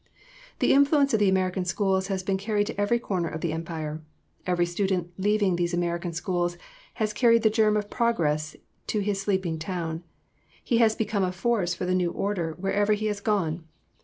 "The influence of the American schools has been carried to every corner of the Empire. Every student leaving these American schools has carried the germ of progress to his sleeping town. He has become a force for the new order wherever he has gone.